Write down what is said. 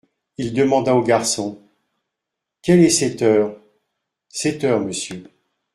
Il demanda au garçon : Quelle est cette heure ? Sept heures, monsieur.